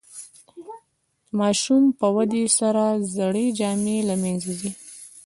د ماشوم په ودې سره زړې جامې له منځه ځي.